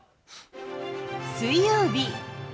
水曜日。